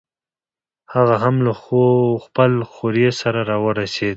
هغه هم له خپل خوریي سره راورسېد.